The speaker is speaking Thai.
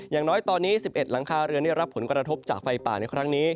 อย่างน้อยตอนนี้๑๑หลังคาเรือนได้รับผลกระทบจากไฟป่าในครั้งนี้